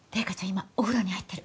今お風呂に入ってる。